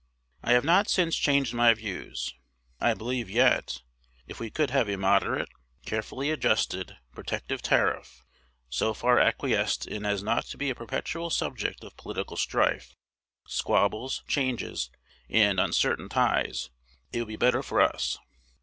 I have not since changed my views. I believe yet, if we could have a moderate, carefully adjusted, protective tariff, so far acquiesced in as not to be a perpetual subject of political strife, squabbles, changes, and uncertain, ties, it would be better for us.